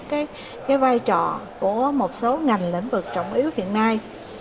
cái vai trò của một số ngành lĩnh vực trọng yếu hiện nay